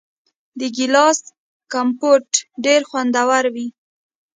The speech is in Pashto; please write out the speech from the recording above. د ګیلاس کمپوټ ډیر خوندور وي.